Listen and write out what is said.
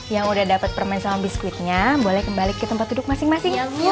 yang udah dapet permain sama biskuitnya boleh kembali ke tempat duduk masing masing